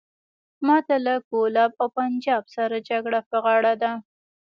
ماته له کولاب او پنجاب سره جګړه په غاړه ده.